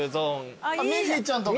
ミッフィーちゃんとか。